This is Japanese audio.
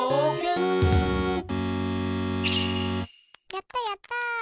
やったやった！